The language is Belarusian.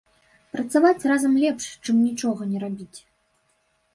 Працаваць разам лепш, чым нічога не рабіць.